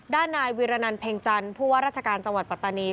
ด้านนายวิรนันเพ็งจันทร์ผู้ว่าราชการจังหวัดปัตตานี